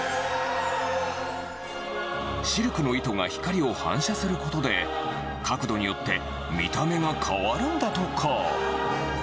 シルクの糸が光を反射することで、角度によって見た目が変わるんだとか。